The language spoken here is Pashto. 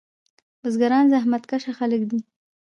بزګران زحمت کشه خلک دي.